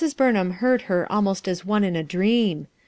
Burnham heard her almost as one in a dream.